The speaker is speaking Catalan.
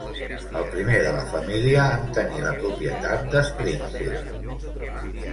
El primer de la família en tenir la propietat de Springhill.